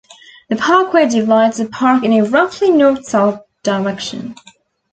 The parkway divides the park in a roughly north-south direction.